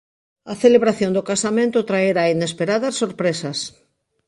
A celebración do casamento traerá inesperadas sorpresas.